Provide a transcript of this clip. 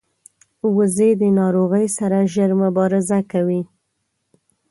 وزې د ناروغۍ سره ژر مبارزه کوي